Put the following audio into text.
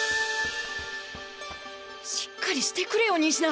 しっかりしてくれよ仁科！